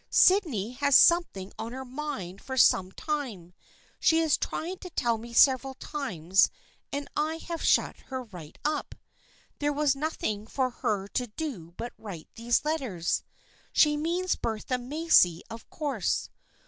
" Sydney has had something on her mind for some time. She has tried to tell me several times and I have shut her right up. There was nothing for her to do but write these letters. She means Bertha Macy of course.